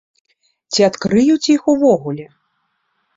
Ці адкрыюць іх увогуле?